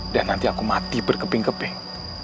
dan nanti aku mati berkeping keping